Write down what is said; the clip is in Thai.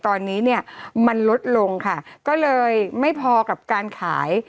ตอนนี้เนี่ยมันลดลงค่ะก็เลยไม่พอกับการขาย